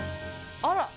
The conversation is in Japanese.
あら。